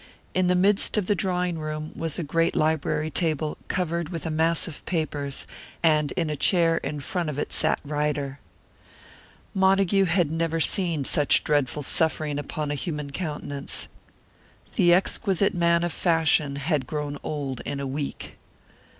In the midst of the drawing room was a great library table, covered with a mass of papers; and in a chair in front of it sat Ryder. Montague had never seen such dreadful suffering upon a human countenance. The exquisite man of fashion had grown old in a week. "Mr.